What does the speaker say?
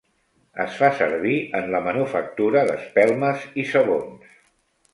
Es fa servir en la manufactura d'espelmes i sabons.